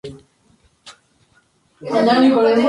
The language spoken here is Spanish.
Luego ejerció la misma profesión en Marsella.